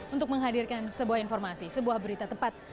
untuk melakukan berita dua puluh empat jam